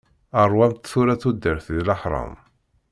Rwumt tura tudert di laḥram.